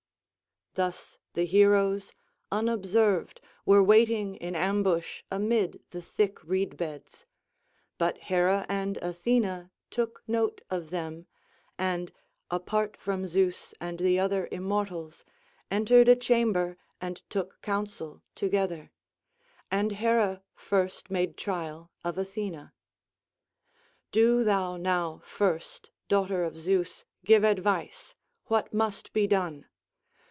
Thus the heroes, unobserved, were waiting in ambush amid the thick reed beds; but Hera and Athena took note of them, and, apart from Zeus and the other immortals, entered a chamber and took counsel together; and Hera first made trial of Athena: "Do thou now first, daughter of Zeus, give advice. What must be done?